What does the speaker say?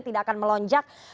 tidak akan melonjak